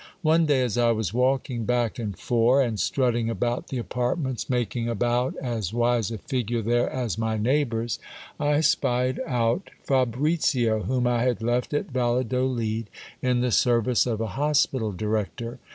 261 One day as I was walking back and fore, and strutting about the apartments, making about as wise a figure there as my neighbours, I spied out Fabricio, whom I had left at Valladolid in the service of a hospital director.